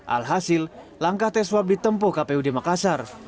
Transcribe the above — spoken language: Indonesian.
alhasil langkah tes swab ditempuh kpud makassar